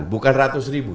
bukan ratus ribu